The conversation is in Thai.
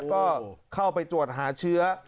ก็เข้าไปตรวจหาเชื้อ